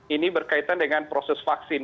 ini berkaitan dengan proses vaksin